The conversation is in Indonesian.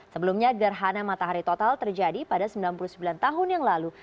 sebelumnya gerhana matahari total terjadi pada sembilan puluh sembilan tahun yang lalu